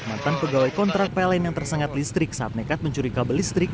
mantan pegawai kontrak pln yang tersengat listrik saat nekat mencuri kabel listrik